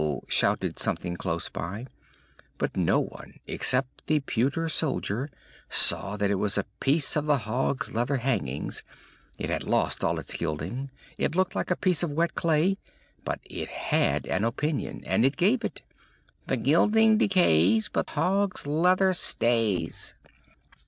shouted something close by; but no one, except the pewter soldier, saw that it was a piece of the hog's leather hangings; it had lost all its gilding, it looked like a piece of wet clay, but it had an opinion, and it gave it: "The gilding decays, But hog's leather stays!"